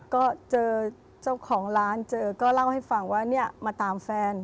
ก็เจอเจ้าของร้านเจอก็เล่าให้ฟังว่าเนี่ยมาตามแฟน